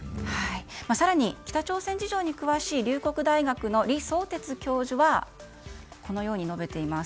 更に北朝鮮事情に詳しい龍谷大学の李相哲教授はこのように述べています。